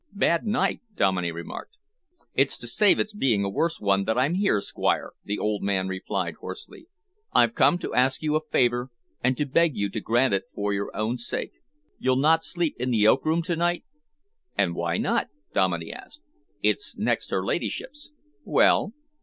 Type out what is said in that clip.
"Bad night," Dominey remarked. "It's to save its being a worse one that I'm here, Squire," the old man replied hoarsely. "I've come to ask you a favour and to beg you to grant it for your own sake. You'll not sleep in the oak room to night?" "And why not?" Dominey asked. "It's next her ladyship's." "Well?"